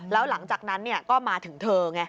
แล้วหลังจากนั้นก็มาถึงเธอไง